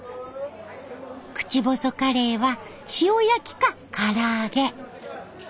口細カレイは塩焼きかから揚げ。